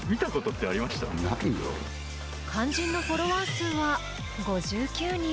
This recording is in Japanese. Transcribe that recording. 肝心のフォロワー数は５９人。